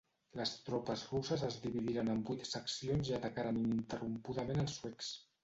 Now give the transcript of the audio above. Les tropes russes es dividiren en vuit seccions i atacaren ininterrompudament als suecs.